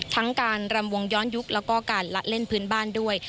ทั้งการรำวงย้อนยุคแล้วก็การละเล่นพื้นบ้านด้วย